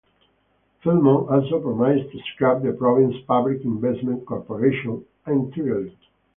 Filmon also promised to scrap the province's Public Investment Corporation entirely.